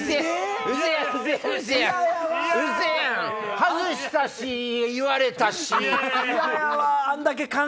外したし言われたし。